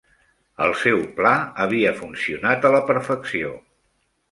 El seu pla havia funcionat a la perfecció.